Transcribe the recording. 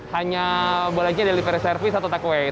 hanya bolehnya delivery service atau takeaway